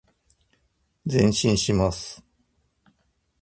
前進します。